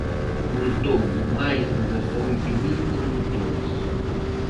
Multou máis de dezaoito mil condutores.